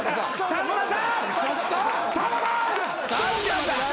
さんまさん！